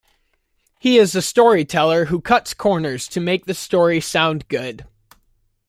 He is a storyteller who cuts corners to make the story sound good.